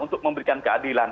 untuk memberikan keadilan